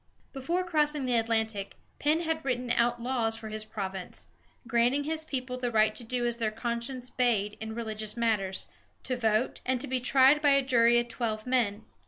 Before crossing the Atlantic, Penn had written out laws for his province, granting his people the right to do as their conscience bade in religious matters, to vote, and to be tried by a jury of twelve men.